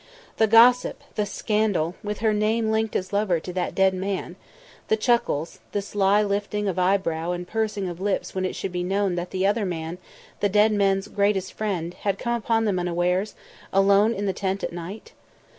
The gossip, the scandal, with her name linked as lover to that dead man; the chuckles, the sly lifting of eyebrow and pursing of lips when it should be known that the other man, the dead man's greatest friend, had come upon them unawares, alone in the tent at night?